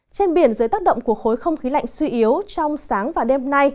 trên biển dưới tác động của khối không khí lạnh suy yếu trong sáng và đêm nay